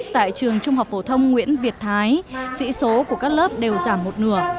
tại trường trung học phổ thông nguyễn việt thái sĩ số của các lớp đều giảm một nửa